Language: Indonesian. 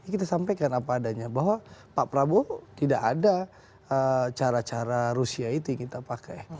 kita sampaikan apa adanya bahwa pak prabowo tidak ada cara cara rusia itu yang kita pakai